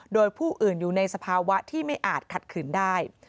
โดยผู้อื่นอยู่ในสภาวะที่ไม่อาจขัดขืนได้